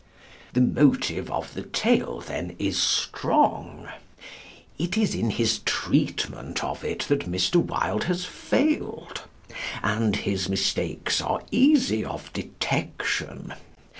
The motive of the tale, then, is strong. It is in his treatment of it that Mr. Wilde has failed, and his mistakes are easy of detection.